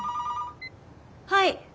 ☎はい。